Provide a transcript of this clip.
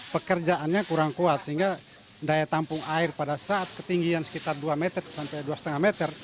pekerjaannya kurang kuat sehingga daya tampung air pada saat ketinggian sekitar dua meter sampai dua lima meter